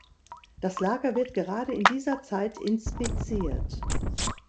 Das Lager wird gerade in dieser Zeit inspiziert.